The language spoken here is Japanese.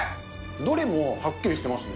どれもはっきりしてますね。